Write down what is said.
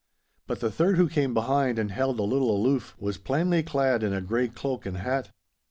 But the third, who came behind and held a little aloof, was plainly clad in a grey cloak and hat.